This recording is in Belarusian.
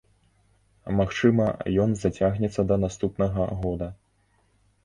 Магчыма, ён зацягнецца да наступнага года.